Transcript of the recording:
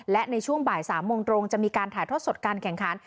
และในช่วงบ่าย๓โมงตรงจะมีการถ่ายทอดสดการแข่งขัน